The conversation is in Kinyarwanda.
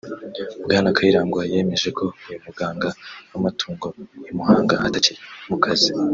Bwana Kayiranga yemeje ko uyu muganga w’amatungo i Muhanga atakiri mu kazi